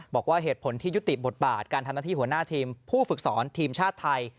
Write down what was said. บอกว่าเหตุผลที่ยุติบทบาทการทำหน้าที่หัวหน้าทีมผู้ฝึกสอนทีมชาติไทย